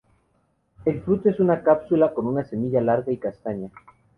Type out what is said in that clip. El fruto es una cápsula con una semilla larga y castaña.